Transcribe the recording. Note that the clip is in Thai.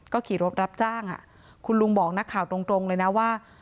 ขี่รถรับจ้างคุณลุงบอกนักข่าวตรงเลยนะว่า